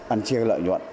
ăn chia lợi nhuận